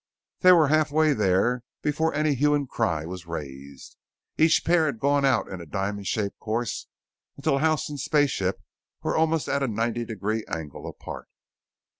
They were half way there before any hue and cry was raised. Each pair had gone out in a diamond shaped course until house and spaceship were almost a ninety degree angle apart.